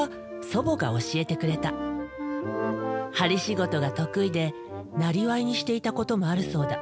針仕事が得意でなりわいにしていたこともあるそうだ。